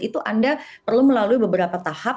itu anda perlu melalui beberapa tahap